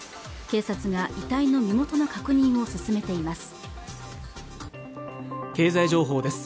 警察が遺体の身元の確認を進めています